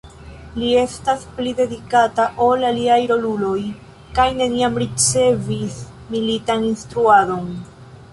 Li estas pli delikata ol aliaj roluloj, kaj neniam ricevis militan instruadon.